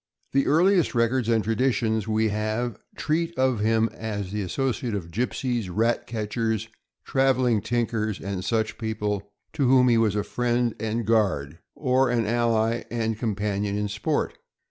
The earliest records and traditions we have treat of him as the associate of gypsies, rat catchers, traveling tinkers, and such people, to whom he was a friend and guard, or an ally and companion. in sport.